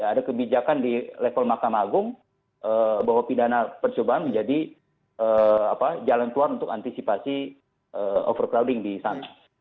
ada kebijakan di level makam agung bahwa pidana percobaan menjadi jalan keluar untuk antisipasi overcrowding di sana